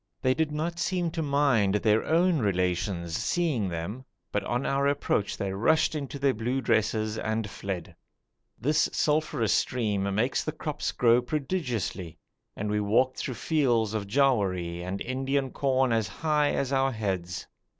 They did not seem to mind their own relations seeing them, but on our approach they rushed into their blue dresses and fled. This sulphureous stream makes the crops grow prodigiously, and we walked through fields of jowari and Indian corn as high as our heads.